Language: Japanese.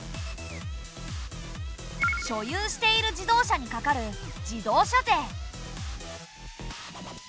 所有している自動車にかかる自動車税。